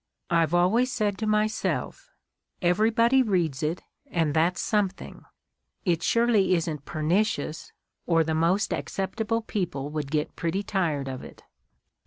I've always said to Jnyself, 'Everybody reads it and that's something— it surely isn't pernicious, or the most acceptable people would get pretty tired of it.'